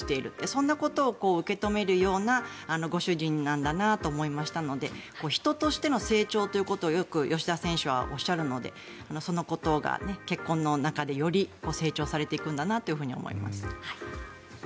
そんなことを受け止めるようなご主人なんだなと思いましたので人としての成長ということをよく吉田選手はおっしゃるのでそのことが結婚の中でより成長されていくんだろうなと思います。